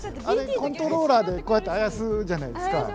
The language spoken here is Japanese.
あれコントローラーでこうやってあやすじゃないですか。